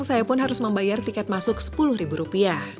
saya pun harus membayar tiket masuk rp sepuluh